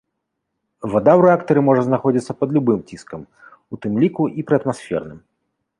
Вада ў рэактары можа знаходзіцца пад любым ціскам, у тым ліку і пры атмасферным.